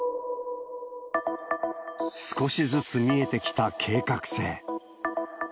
少しずつ見えてきた計画性。